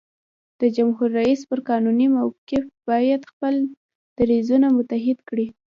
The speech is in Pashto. د جمهور رئیس پر قانوني موقف باید خپل دریځونه متحد کړي.